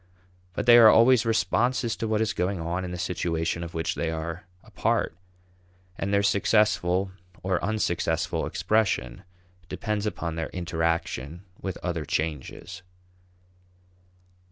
But they are always responses to what is going on in the situation of which they are a part, and their successful or unsuccessful expression depends upon their interaction with other changes.